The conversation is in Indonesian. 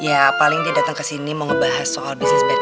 ya paling dia datang ke sini mau ngebahas soal bisnis bts aja kok rob